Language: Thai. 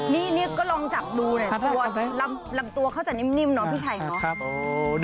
นี่เนี่ยก็ลองจับดูกัวมาลำตัวเข้าจะนิ่มปิ๊ไทยหรอ